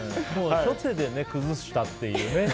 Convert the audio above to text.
初手で崩したっていうね。